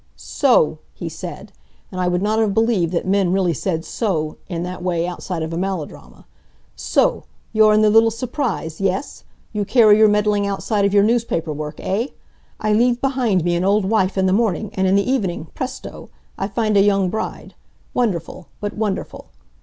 "So!" he said; and I would not have believed that men really said "So!" in that way outside of a melodrama. "So! You are in the little surprise, yes? You carry your meddling outside of your newspaper work, eh? I leave behind me an old wife in the morning and in the evening, presto! I find a young bride. Wonderful! but wonderful!"